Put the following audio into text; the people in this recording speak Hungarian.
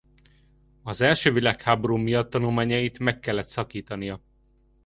Az első világháború miatt tanulmányait meg kellett szakítania.